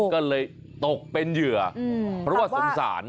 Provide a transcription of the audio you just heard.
ก็เลยตกเป็นเหยื่อเพราะว่าสงสาร